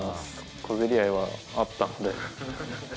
小競り合いはあったんで。